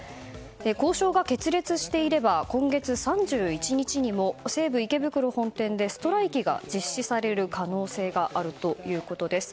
交渉が決裂していれば今月３１日にも西武池袋本店でストライキが実施される可能性があるということです。